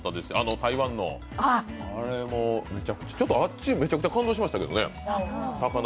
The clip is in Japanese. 台湾のあれもめちゃくちゃ、めちゃくちゃ感動しましたけれどもね。